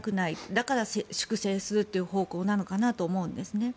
だから粛清するという方向なのかなと思うんですね。